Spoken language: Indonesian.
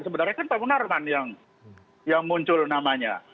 sebenarnya kan pak munarman yang muncul namanya